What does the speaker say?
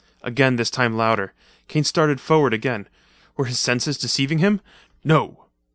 Again, this time louder. Kane started forward again. Were his senses deceiving him? No!